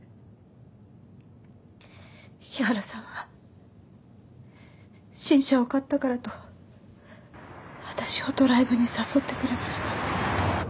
日原さんは新車を買ったからと私をドライブに誘ってくれました。